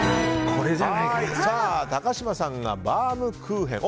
高嶋さんがバウムクーヘン。